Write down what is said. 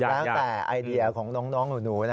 แล้วแต่ไอเดียของน้องหนูนะ